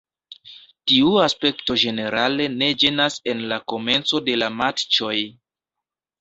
Tiu aspekto ĝenerale ne ĝenas en la komenco de la matĉoj.